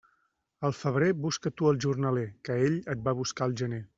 Al febrer busca tu el jornaler, que ell et va buscar al gener.